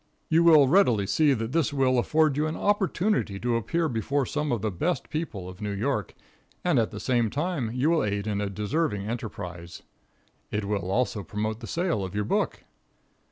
You will readily see that this will afford you an opportunity to appear before some of the best people of New York, and at the same time you will aid in a deserving enterprise. It will also promote the sale of your book.